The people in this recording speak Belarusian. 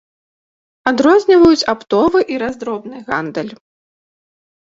Адрозніваюць аптовы і раздробны гандаль.